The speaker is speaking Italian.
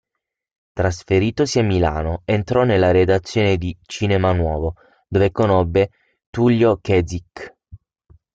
Trasferitosi a Milano, entrò nella redazione di "Cinema Nuovo", dove conobbe Tullio Kezich.